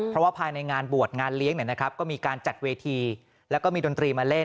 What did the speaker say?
เพราะว่าภายในงานบวชงานเลี้ยงก็มีการจัดเวทีแล้วก็มีดนตรีมาเล่น